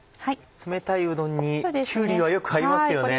冷たいうどんにきゅうりはよく合いますよね。